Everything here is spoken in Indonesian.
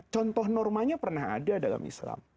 contoh normanya pernah ada dalam islam